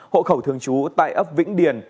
hộ khẩu thương chú tại ấp vĩnh điền